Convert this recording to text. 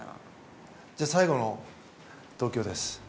松岡：じゃあ、最後の東京です。